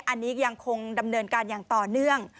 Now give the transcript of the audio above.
อันนี้ยังคงดำเนินการอย่างต่อเนื่อง